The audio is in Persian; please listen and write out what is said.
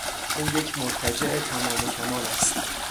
او یک مرتجع تمام و کمال است.